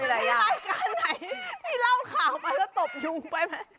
มีรายการไหนพี่เล่าข่าวไปแล้วตบยุงไปไหม